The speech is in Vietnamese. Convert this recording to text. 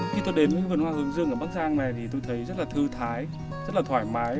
khi tôi đến với vườn hoa hướng dương ở bắc giang này thì tôi thấy rất là thư thái rất là thoải mái